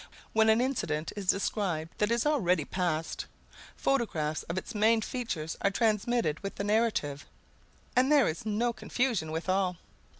When an incident is described that is already past, photographs of its main features are transmitted with the narrative. And there is no confusion withal.